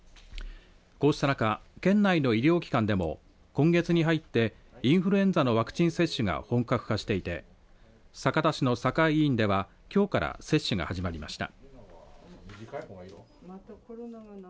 こうした中、県内の医療機関でも今月に入ってインフルエンザのワクチン接種が本格化していて酒田市の酒井医院ではきょうから接種が始まりました。